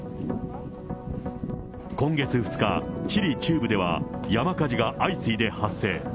今月２日、チリ中部では山火事が相次いで発生。